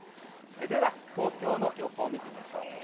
では、東京の予報見てみましょう。